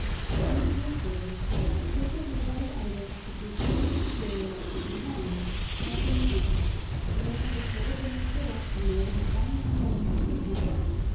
In this new story a statement made by the editor at the conclusion of the serial in " The Companion " has been ignored, namely that 'Tilda Jane grew up and married her friend and benefactor Hank.